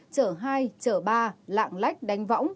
chở hai chở ba lạng lách đánh võng